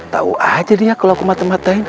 tau aja dia kalo aku mata matain